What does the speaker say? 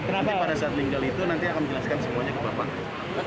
tapi pada saat linggal itu nanti akan menjelaskan semuanya ke bapak